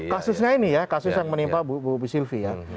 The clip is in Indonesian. kasusnya ini ya kasus yang menimpa agus silvi ya